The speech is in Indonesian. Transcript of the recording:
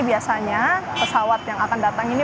biasanya pesawat yang akan datang ini